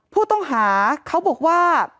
ผู้ต้องหาเขาบอกว่า